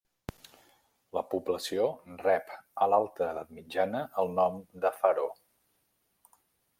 La població rep a l'alta edat mitjana el nom de Faro.